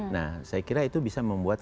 nah saya kira itu bisa membuat